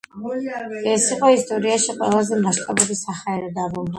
ეს იყო ისტორიაში ყველაზე მასშტაბური საჰაერო დაბომბვა.